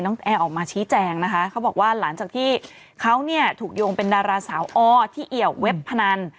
ตอนแรกเขามีอักษรออกมาตอนแรกที่มีออถูกต้องไหมคะ